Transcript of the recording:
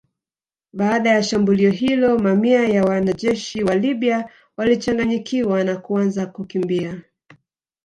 Baada ya shambulio hilo mamia ya wanajeshi wa Libya walichanganyikiwa na kuanza kukimbia